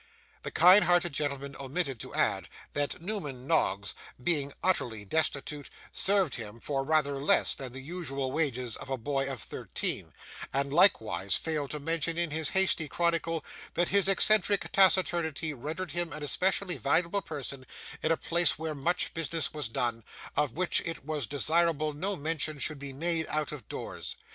The kind hearted gentleman omitted to add that Newman Noggs, being utterly destitute, served him for rather less than the usual wages of a boy of thirteen; and likewise failed to mention in his hasty chronicle, that his eccentric taciturnity rendered him an especially valuable person in a place where much business was done, of which it was desirable no mention should be made out of doors.